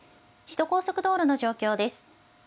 首都高速道路の状況です。